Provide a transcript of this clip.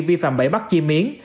vi phạm bẫy bắt chim yến